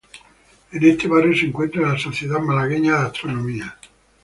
En este barrio se encuentra la Sociedad Malagueña de Astronomía.